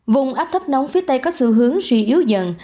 vùng áp thấp nóng phía tây có xu hướng suy yếu dần